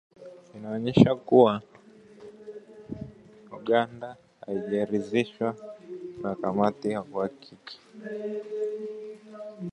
inaonyesha kuwa Uganda haijaridhishwa na taarifa hiyo ya kamati ya uhakiki